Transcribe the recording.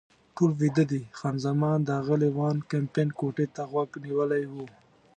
ټول ویده دي، خان زمان د اغلې وان کمپن کوټې ته غوږ نیولی و.